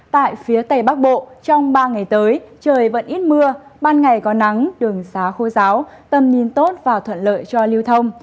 tại phía tây bắc bộ trong ba ngày tới trời vẫn ít mưa ban ngày có nắng đường xá khô giáo tầm nhìn tốt và thuận lợi cho lưu thông